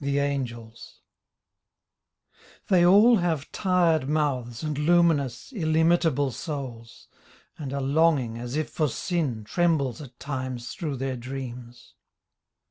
THE ANGELS They all have tired mouths And luminous, illimitable souls ; And a longing (as if for sin) Trembles at times through their dreams.